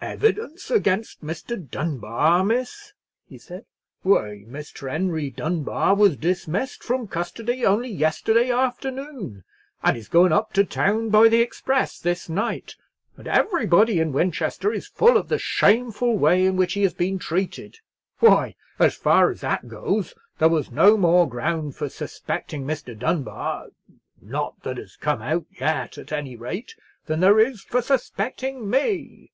"Evidence against Mr. Dunbar, miss?" he said; "why, Mr. Henry Dunbar was dismissed from custody only yesterday afternoon, and is going up to town by the express this night, and everybody in Winchester is full of the shameful way in which he has been treated. Why, as far as that goes, there was no more ground for suspecting Mr. Dunbar—not that has come out yet, at any rate—than there is for suspecting me!"